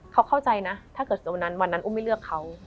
เขาเข้าใจนะถ้าเกิดวันนั้นวันนั้นอุ้มไม่เลือกเขา